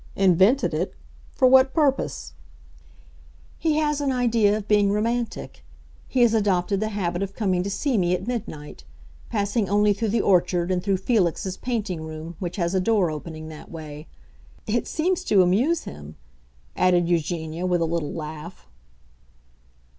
"Invented it? For what purpose?" "He has an idea of being romantic. He has adopted the habit of coming to see me at midnight—passing only through the orchard and through Felix's painting room, which has a door opening that way. It seems to amuse him," added Eugenia, with a little laugh.